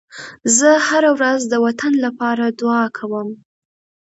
زه هره ورځ د وطن لپاره دعا کوم.